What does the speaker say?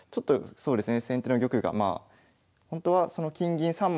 そうですね。